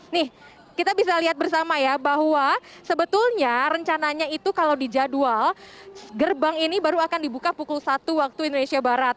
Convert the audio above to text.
nih kita bisa lihat bersama ya bahwa sebetulnya rencananya itu kalau dijadwal gerbang ini baru akan dibuka pukul satu waktu indonesia barat